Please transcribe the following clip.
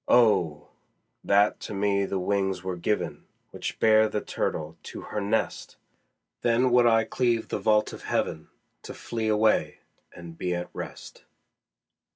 Oh! that to me the wings were given Which bear the turtle to her nest! Then would I cleave the vault of heaven, To flee away and be at rest.